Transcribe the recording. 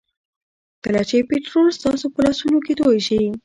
کله چې پټرول ستاسو په لاسونو کې توی شي.